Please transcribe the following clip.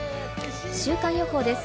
週間予報です。